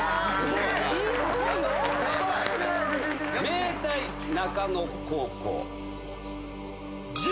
明大中野高校。